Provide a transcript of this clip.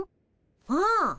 うん。